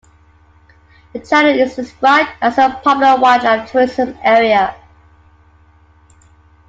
The channel is described as a popular wildlife tourism area.